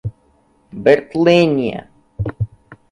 Bertolínia